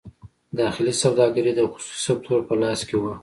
داخلي سوداګري د خصوصي سکتور په لاس کې وه.